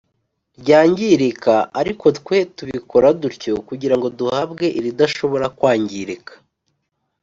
Ryangirika ariko twe tubikora dutyo kugira ngo duhabwe iridashobora kwangirika